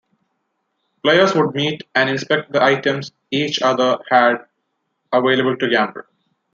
Players would meet and inspect the items each other had available to gamble.